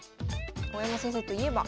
大山先生といえば。